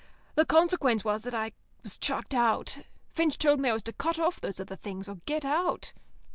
The consequence was that I was chucked out. Finch told me I was to cut off those other things, or get out.